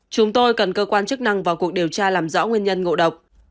chúng tôi cần cơ quan chức năng vào cuộc điều tra làm rõ nguyên nhân ngộ độc